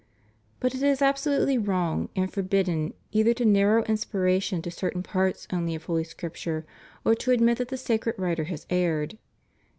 But it is absolutely wrong and forbidden either to narrow inspiration to certain parts only of Holy Scripture or to admit that the sacred waiter has erred.